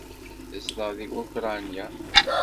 Tezdeɣ deg Ukṛanya.